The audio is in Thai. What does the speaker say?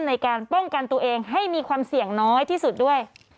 ในการป้องกันตัวเองให้มีความเสี่ยงน้อยที่สุดด้วย